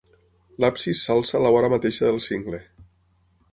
L'absis s'alça a la vora mateixa del cingle.